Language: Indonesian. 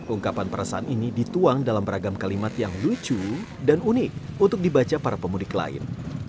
ungkapan perasaan ini dituang dalam beragam kalimat yang lucu dan unik untuk dibaca para pemudik lain